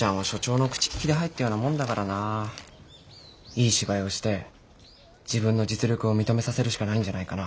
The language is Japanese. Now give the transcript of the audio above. いい芝居をして自分の実力を認めさせるしかないんじゃないかな。